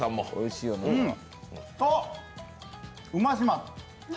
あ、うましま